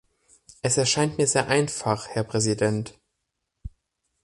Es erscheint mir sehr einfach, Herr Präsident.